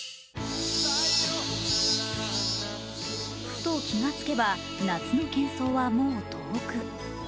ふと気が付けば夏の喧そうはもう遠く。